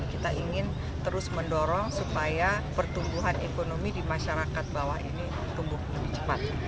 kita ingin terus mendorong supaya pertumbuhan ekonomi di masyarakat bawah ini tumbuh lebih cepat